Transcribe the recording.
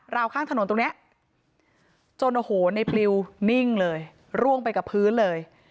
ราวข้างถนนตรงนี้จนเนปริวนิ่งเลยร่วงไปกับพื้นเลย